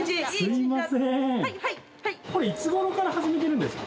これいつ頃から始めてるんですか？